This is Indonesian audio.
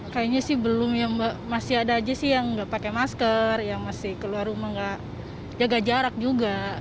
kayaknya sih belum ya mbak masih ada aja sih yang nggak pakai masker yang masih keluar rumah nggak jaga jarak juga